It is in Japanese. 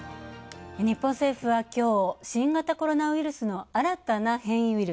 日本政府はきょう、新型コロナの新たな変異ウイル